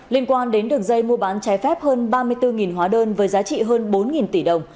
liên quan đến đường dây mua bán trái phép hơn ba mươi bốn hóa đơn với giá trị hơn bốn tỷ đồng